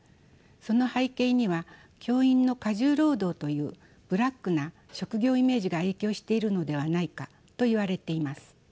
その背景には教員の過重労働というブラックな職業イメージが影響しているのではないかといわれています。